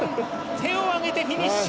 手を上げてフィニッシュ。